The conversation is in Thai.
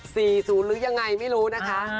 ศูนย์หรือยังไงไม่รู้นะคะ